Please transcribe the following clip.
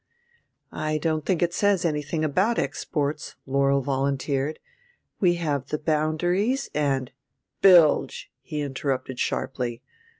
"I don't think it says anything about exports," Laurel volunteered. "We have the boundaries and " "Bilge," he interrupted sharply.